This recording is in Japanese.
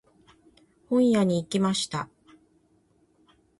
本屋に行きました。